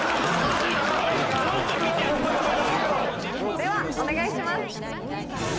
ではお願いします。